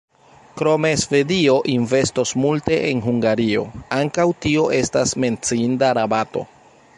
Krome Svedio investos multe en Hungario – ankaŭ tio estas menciinda rabato.